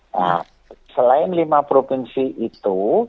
nah selain lima provinsi itu